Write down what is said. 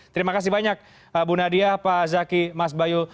terima kasih banyak bu nadia pak zaki mas bayu